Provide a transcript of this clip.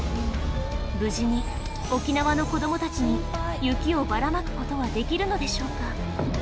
無事に沖縄の子ども達に雪をバラまくことはできるのでしょうか